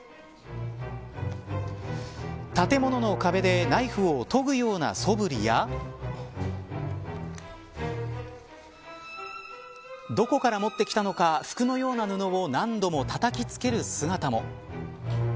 建物の壁でナイフをとぐようなそぶりやどこから持ってきたのか服のようなものを何度もたたきつける姿も。